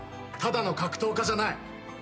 ただの格闘家じゃない。